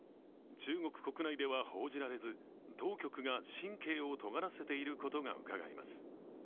中国国内では報じられず、当局が神経をとがらせていることがうかがえます。